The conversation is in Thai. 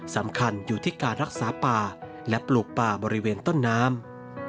สำคัญอยู่ที่การรักษาป่าและปลูกป่าบริเวณต้นน้ำ